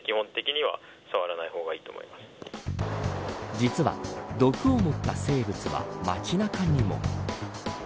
実は毒を持った生物は街中にも。